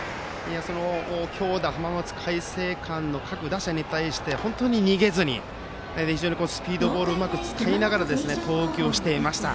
強打、浜松開誠館の各打者に対して本当に逃げずに非常にスピードボールをうまく使いながら投球をしていました。